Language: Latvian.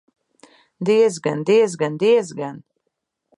Diezgan, diezgan, diezgan!